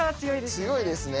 強いですね。